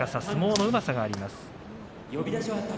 相撲のうまさがあります。